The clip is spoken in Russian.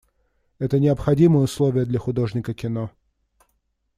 Это необходимое условие для художника кино.